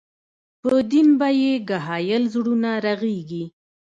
پۀ ديدن به ئې ګهائل زړونه رغيږي